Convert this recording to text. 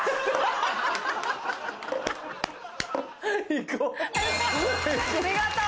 行こう。